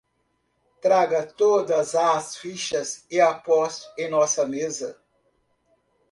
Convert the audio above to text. Traga todas as fichas e aposte em nossa mesa